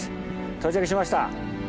到着しました。